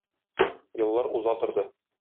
Еллар уза торды.